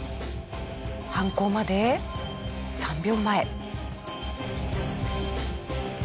犯行まで３秒前。